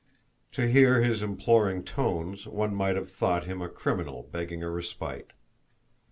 To hear his imploring tones, one might have thought him a criminal begging a respite.